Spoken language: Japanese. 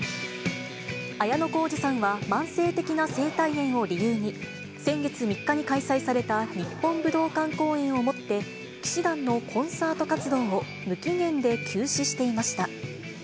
綾小路さんは慢性的な声帯炎を理由に、先月３日に開催された日本武道館公演をもって、氣志團のコンサート活動を無期限で休止していました。